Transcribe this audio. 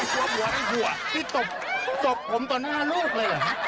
เดี๋ยวพี่ตบผมตอนหน้าลูกเลยเหรอ